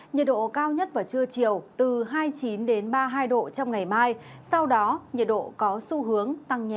nhiệt độ cao nhất vào trưa chiều từ hai mươi chín ba mươi hai độ trong ngày mai sau đó nhiệt độ có xu hướng tăng nhẹ